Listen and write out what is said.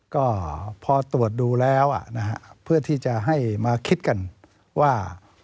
ก็พอตรวจดูแล้วนะฮะเพื่อที่จะให้มาคิดกันว่า